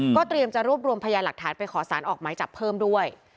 เตรียมจะรวบรวมพยานหลักฐานไปขอสารออกหมายจับเพิ่มด้วย